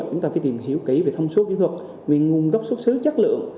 chúng ta phải tìm hiểu kỹ về thông số kỹ thuật về nguồn gốc xuất xứ chất lượng